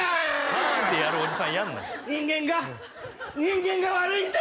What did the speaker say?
「パーン！」ってやるおじさんやんな人間が人間が悪いんだ！